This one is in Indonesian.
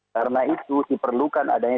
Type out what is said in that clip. karena itu diperlukan adanya